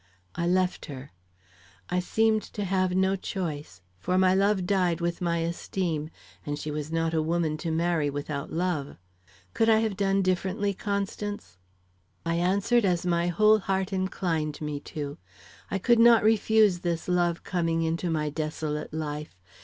I left her. I seemed to have no choice, for my love died with my esteem, and she was not a woman to marry without love. Could I have done differently, Constance?" I answered as my whole heart inclined me to. I could not refuse this love coming into my desolate life.